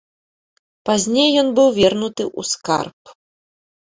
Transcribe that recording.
Пазней ён быў вернуты ў скарб.